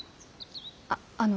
あっあの。